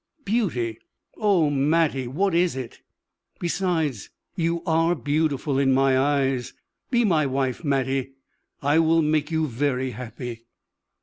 "Beauty! Oh, Mattie, what is it? Besides, you are beautiful in my eyes. Be my wife, Mattie; I will make you very happy."